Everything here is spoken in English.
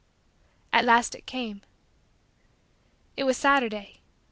At last it came. It was Saturday.